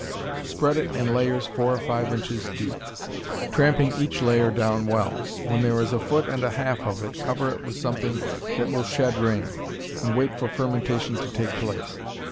Spread it in layers four or five inches deep, tramping each layer down well. When there is a foot and a half of it, cover it with something that will shed rain, and wait for fermentation to take place.